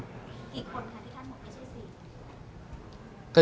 กี่คนคะที่ท่านบอกไม่ใช่สิทธิ์